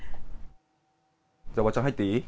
じゃあおばちゃん、入っていい？